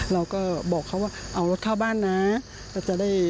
เราก็บอกเขาว่าเอารถเข้าบ้านนะ